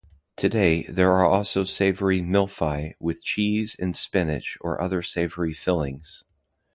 Today, there are also savory mille-feuille, with cheese and spinach or other savory fillings.